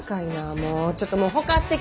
もうちょっとほかしてき。